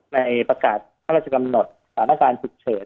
ในประกาศภรรยากำหนดศาลการจุดเฉิน